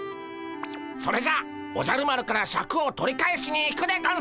それじゃおじゃる丸からシャクを取り返しに行くでゴンス！